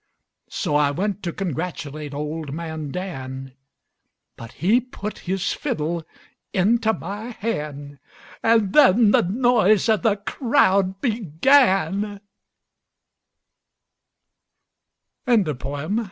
So I went to congratulate old man Dan, But he put his fiddle into my han' An' then the noise of the crowd began!